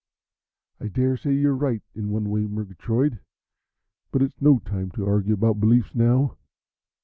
"I daresay you're right in one way, Murgatroyd, but it's no time to argue about beliefs now.